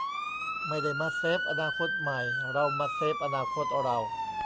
'ไม่ได้มาเซฟอนาคตใหม่ เรามาเซฟอนาคตเรา'